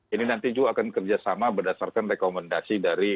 ini nanti juga akan kerjasama berdasarkan rekomendasi dari